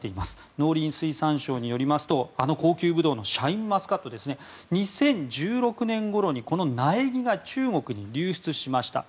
農林水産省によりますとあの高級ブドウのシャインマスカットですね２０１６年ごろにこの苗木が中国に流出しました。